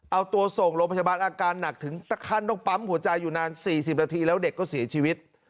เอาตัวส่งโรงพยาบาลอาการหนักถึงขั้นต้องปั๊มหัวใจอยู่นาน๔๐นาทีแล้วเด็กก็เสียชีวิต